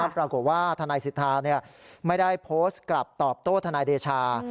ปรากฏว่าทนายสิทธาไม่ได้โพสต์กลับตอบโต้ทนายเดชา